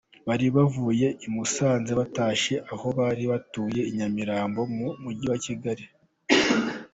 Bari bavuye i Musanze batashye aho bari batuye i Nyamirambo mu Mujyi wa Kigali.